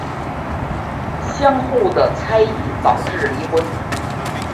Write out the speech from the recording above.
相互的猜疑导致离婚。